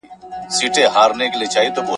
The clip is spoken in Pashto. لکه وېره د لستوڼي له مارانو !.